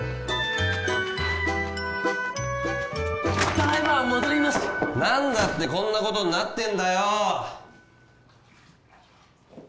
ただいま戻りました何だってこんなことになってんだよ！